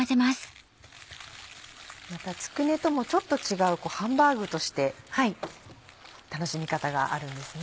またつくねともちょっと違うハンバーグとして楽しみ方があるんですね。